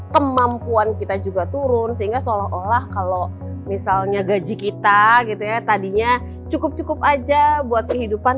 kemampuan kita juga turun sehingga seolah olah kalau misalnya gaji kita gitu ya tadinya cukup cukup aja buat kehidupan